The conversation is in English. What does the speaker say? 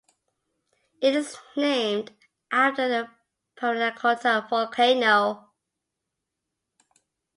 It is named after the Parinacota Volcano.